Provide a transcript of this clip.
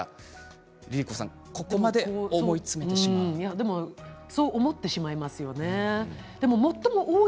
でもそう思ってしまいますよね。